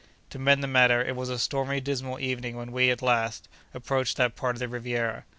To mend the matter, it was a stormy dismal evening when we, at last, approached that part of the Riviera.